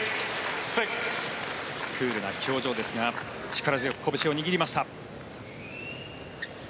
クールな表情ですが力強くこぶしを握りました。